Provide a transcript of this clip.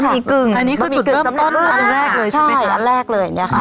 กึ่งอันนี้คือจุดเริ่มต้นอันแรกเลยใช่ไหมคะอันแรกเลยอย่างเงี้ค่ะ